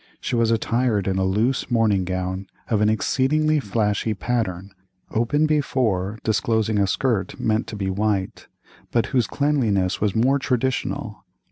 She was attired in a loose morning gown, of an exceedingly flashy pattern, open before, disclosing a skirt meant to be white, but whose cleanliness was merely traditional.